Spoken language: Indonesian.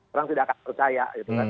orang tidak akan percaya